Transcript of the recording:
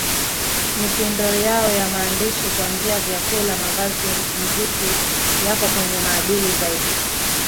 Mitindo yao ya maisha kuanzia vyakula mavazi mziki yapo kwenye maadili zaidi